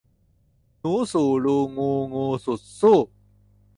หนูสู่รูงูงู สุดสู้